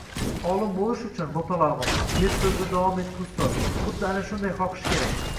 Olim boʻlish uchun, boʻtalogʻim, deb soʻzida davom etdi ustoz, xuddi ana shunday xohish kerak